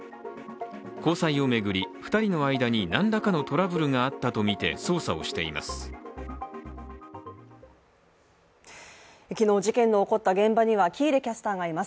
交際を巡り、２人の間に何らかのトラブルがあったとみて、捜査をしています。